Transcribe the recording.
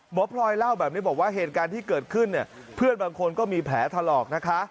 พลอยเล่าแบบนี้บอกว่าเหตุการณ์ที่เกิดขึ้นเนี่ยเพื่อนบางคนก็มีแผลถลอกนะคะ